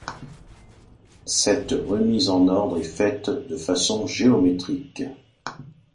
Cette remise en ordre est faite de façon géométrique.